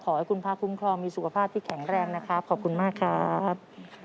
ขอให้คุณพระคุ้มครองมีสุขภาพที่แข็งแรงนะครับขอบคุณมากครับ